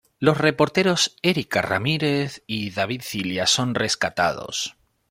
Los reporteros Érika Ramírez y David Cilia son rescatados.